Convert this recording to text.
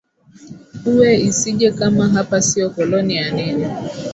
ue isije kama hapa sio koloni ya nini